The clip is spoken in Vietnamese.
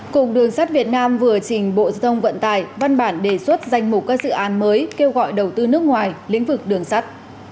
cục đường sắt việt nam vừa trình bộ giao thông vận tải văn bản đề xuất danh mục các dự án mới kêu gọi đầu tư nước ngoài lĩnh vực đường sắt